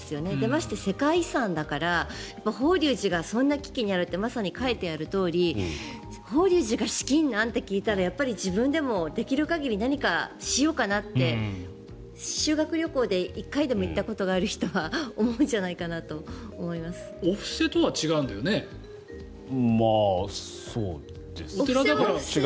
まして、世界遺産だから法隆寺がそんな危機にあるってまさに書いてあるとおり法隆寺が資金難？って聞いたら自分でもできる限り何かしようかなって修学旅行で１回でも行ったことがある人は思うんじゃないかと思います。